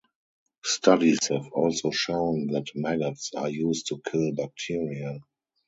Studies have also shown that maggots are used to kill bacteria.